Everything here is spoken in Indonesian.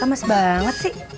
lama banget sih